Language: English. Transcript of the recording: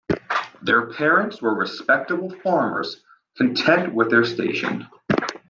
Their parents were respectable farmers, content with their station.